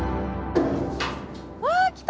あ来た！